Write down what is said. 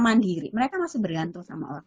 mandiri mereka masih bergantung sama